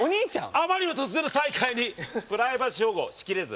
あまりの突然の再会にプライバシー保護し切れず。